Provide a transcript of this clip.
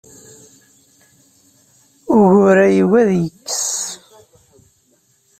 Ugur-a yugi ad yekkes.